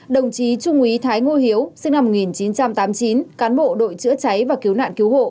đồng chí trung úy thái ngô hiếu sinh năm một nghìn chín trăm tám mươi chín cán bộ đội chữa cháy và cứu nạn cứu hộ